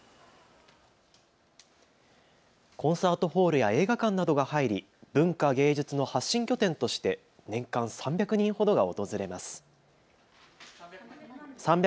コンサートホールや映画館などが入り文化・芸術の発信拠点として年間３００万人ほどが訪れます。